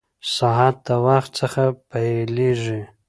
ساعت د وخت څخه پېلېږي.